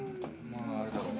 まああれだろ。